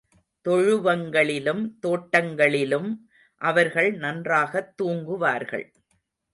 தொழுவங்களிலும் தோட்டங்களிலும் அவர்கள் நன்றகத்தூங்குவார்கள்.